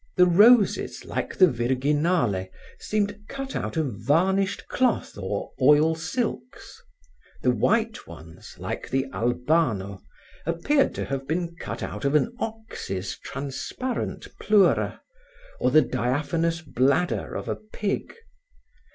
The roses like the Virginale seemed cut out of varnished cloth or oil silks; the white ones, like the Albano, appeared to have been cut out of an ox's transparent pleura, or the diaphanous bladder of a pig.